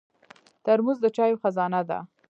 ترموز د چایو خزانه ده.